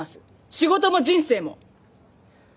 仕事も人生も。